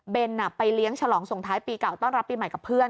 เป็นไปเลี้ยงฉลองส่งท้ายปีเก่าต้อนรับปีใหม่กับเพื่อน